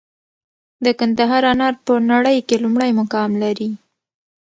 د کندهار انار په نړۍ کې لومړی مقام لري.